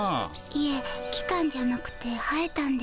いえ来たんじゃなくて生えたんです。